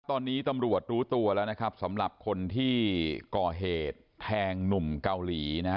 ตอนนี้ตำรวจรู้ตัวแล้วนะครับสำหรับคนที่ก่อเหตุแทงหนุ่มเกาหลีนะฮะ